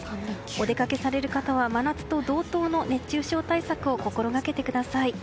お出かけされる方は真夏と同等の熱中症対策を心掛けてください。